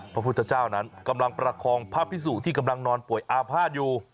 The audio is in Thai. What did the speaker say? พระพุทธเจ้านั้นกำลังประคองพระพิสุที่กำลังนอนป่วยอาภาษณ์อยู่